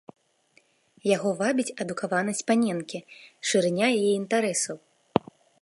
Яго вабіць адукаванасць паненкі, шырыня яе інтарэсаў.